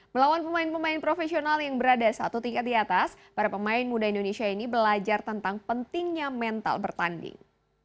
melawan pemain pemain profesional yang berada satu tingkat di atas para pemain muda indonesia ini belajar tentang pentingnya mental bertanding